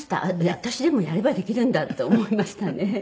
私でもやればできるんだって思いましたね。